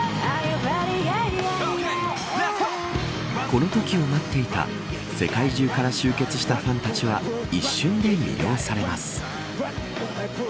この時を待っていた世界中から集結したファンたちは一瞬で魅了されます。